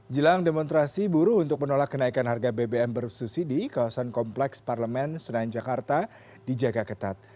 jelang demonstrasi buruh untuk menolak kenaikan harga bbm berususi di kawasan kompleks parlemen senayan jakarta di jaga ketat